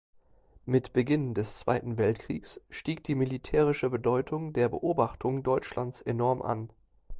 Mit Beginn des Zweiten Weltkriegs stieg die militärische Bedeutung der Beobachtung Deutschlands enorm an.